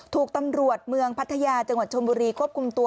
ถูกตำรวจเมืองพัทยาจังหวัดชนบุรีควบคุมตัว